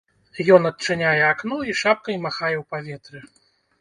Ён адчыняе акно і шапкай махае ў паветры.